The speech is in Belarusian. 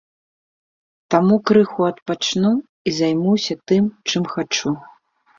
Таму крыху адпачну і займуся тым, чым хачу.